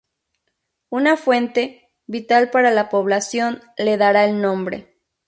Una fuente, vital para la población, le dará el nombre.